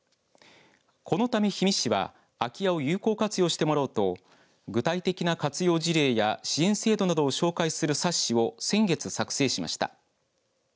このため氷見市は空き家を有効活用してもらおうと具体的な活用事例や支援制度などを紹介する冊子を先月作成しました。